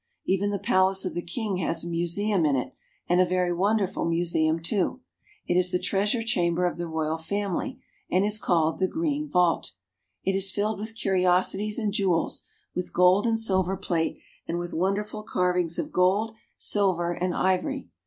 Even the palace of the king has a museum in it, and a very wonderful museum too. It is the treasure "We are delighted with Dresden." chamber of the royal family, and is called the Green Vault. It is filled with curiosities and jewels, with gold and silver plate, and with wonderful carvings of gold, silver, and ivory.